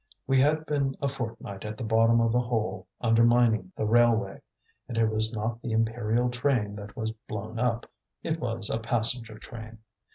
"We had been a fortnight at the bottom of a hole undermining the railway, and it was not the imperial train that was blown up, it was a passenger train.